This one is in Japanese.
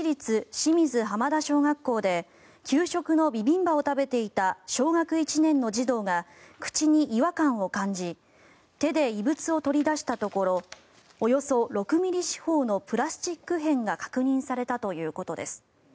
清水浜田小学校で給食のビビンバを食べていた小学１年の児童が口に違和感を感じ手で異物を取り出したところおよそ６ｍｍ四方のプラスチック片が確認されたということです。